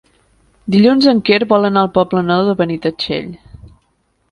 Dilluns en Quer vol anar al Poble Nou de Benitatxell.